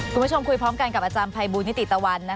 คุณผู้ชมคุยพร้อมกันกับอาจารย์ภัยบูลนิติตะวัน